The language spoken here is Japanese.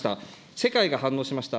世界が反応しました。